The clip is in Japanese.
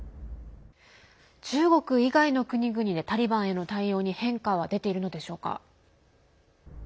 中国以外の国々でタリバンへの対応に変化は出ているのでしょうか？